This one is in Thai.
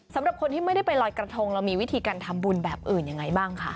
สำหรับคนที่ไม่ได้ไปลอยกระทงเรามีวิธีการทำบุญแบบอื่นยังไงบ้างคะ